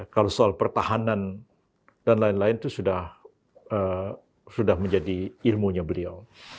kalau soal pertahanan dan lain lain itu sudah menjadi ilmunya beliau